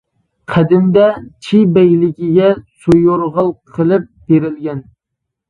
قەدىمدە چى بەگلىكىگە سۇيۇرغال قىلىپ بېرىلگەن.